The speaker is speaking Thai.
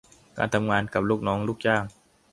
การทำงานกับลูกน้องลูกจ้าง